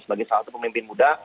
sebagai salah satu pemimpin muda